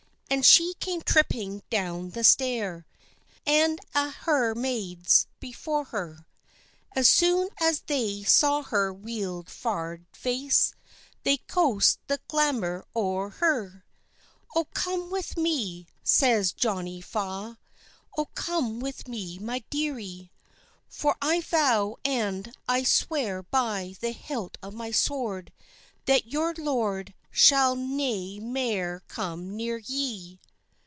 And she came tripping doun the stair, And a' her maids before her; As soon as they saw her weel far'd face, They coost the glamer o'er her. "O come with me," says Johnie Faw, "O come with me, my dearie; For I vow and I swear by the hilt of my sword, That your lord shall nae mair come near ye."